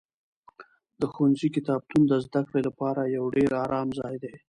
د ښوونځي کتابتون د زده کړې لپاره یو ډېر ارام ځای دی.